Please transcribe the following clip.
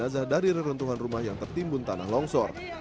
dan pengeluarkan jenazah dari reruntuhan rumah yang tertimbun tanah longsor